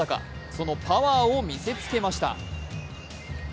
そのパワーを見せつけました。